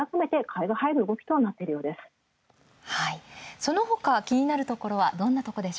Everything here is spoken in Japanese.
そのほか気になるところは？